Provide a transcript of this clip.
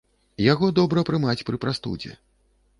Яго добра прымаць пры прастудзе.